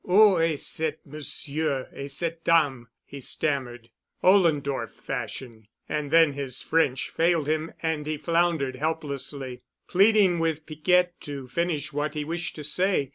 "Ou est ce monsieur et cette dame——" he stammered, Ollendorf fashion, and then his French failed him and he floundered helplessly, pleading with Piquette to finish what he wished to say.